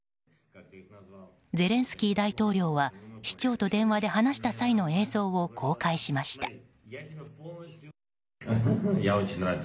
ゼレンスキー大統領は市長と電話で話した際の映像を公開しました。